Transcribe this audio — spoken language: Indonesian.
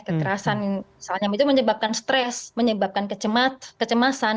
kekerasan misalnya itu menyebabkan stres menyebabkan kecemasan